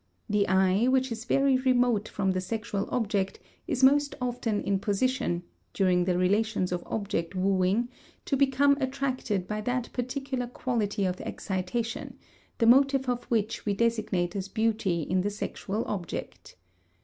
The eye which is very remote from the sexual object is most often in position, during the relations of object wooing, to become attracted by that particular quality of excitation, the motive of which we designate as beauty in the sexual object.